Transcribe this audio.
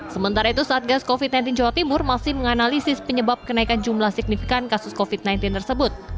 sementara itu satgas covid sembilan belas jawa timur masih menganalisis penyebab kenaikan jumlah signifikan kasus covid sembilan belas tersebut